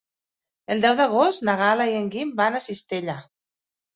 El deu d'agost na Gal·la i en Guim van a Cistella.